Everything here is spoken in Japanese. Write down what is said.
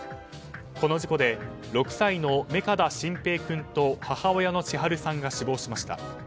この事故で６歳の目加田慎平君と母親の千春さんが死亡しました。